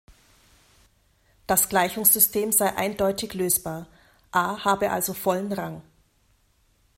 Das Gleichungssystem sei eindeutig lösbar, "A" habe also vollen Rang.